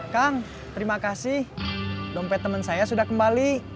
kang terima kasih dompet teman saya sudah kembali